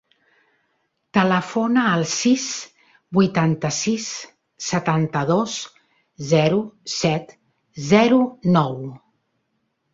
Telefona al sis, vuitanta-sis, setanta-dos, zero, set, zero, nou.